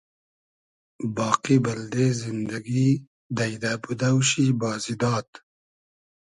باقی بئلدې زیندئگی دݷدۂ بودۆ شی بازی داد